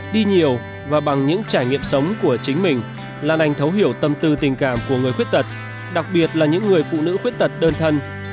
đi nhiều và bằng những trải nghiệm sống của chính mình lan anh thấu hiểu tâm tư tình cảm của người khuyết tật đặc biệt là những người phụ nữ khuyết tật đơn thân